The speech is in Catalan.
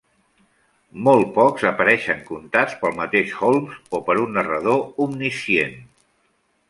Molt pocs apareixen contats pel mateix Holmes o per un narrador omniscient.